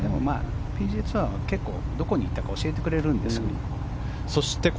ＰＧＡツアーはどこに行ったか教えてくれるんですよね。